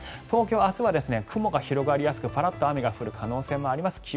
東京、明日は雲が広がりやすくパラッと雨が降る可能性もあります。